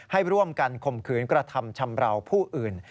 ให้ร่วมกันข่มขืนกระทำชำราวผู้อื่น